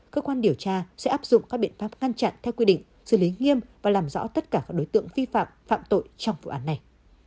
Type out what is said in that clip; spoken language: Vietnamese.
cơ quan điều tra sẽ áp dụng các biện pháp ngăn chặn theo quy định xử lý nghiêm và làm rõ tất cả các đối tượng vi phạm phạm tội trong vụ án này